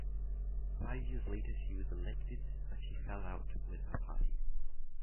Five years later she was elected but she fell out with her party.